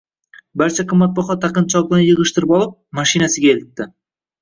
Barcha qimmatbaho taqinchoqlarni yigʻishtirib olib, mashinasiga eltdi.